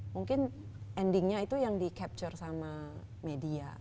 mungkin endingnya itu yang di capture sama media